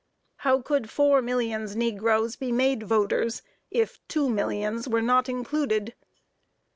How could four millions negroes be made voters if two millions were not included?